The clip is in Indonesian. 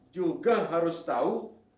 juga harus tahu